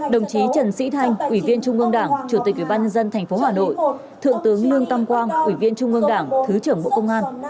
đồng chí trần sĩ thanh ủy viên trung ương đảng chủ tịch ủy ban dân thành phố hà nội thượng tướng lương tâm quang ủy viên trung ương đảng thứ trưởng bộ công an